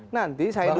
nanti saya duduk